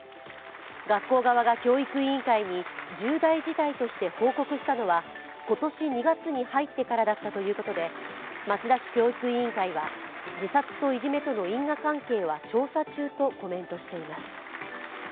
学校側が教育委員会に重大事態として報告したのは今年２月に入ってからだったということで町田市教育委員会は、自殺といじめとの因果関係は調査中とコメントしています。